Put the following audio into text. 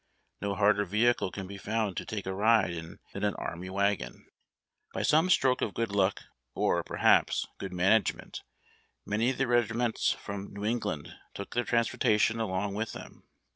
No harder vehicle can be found to take a ride in than an army wagon. By some stroke of good luck, or, perhaps, good manage ment, many of the regiments from New England took their transportation along wdth them.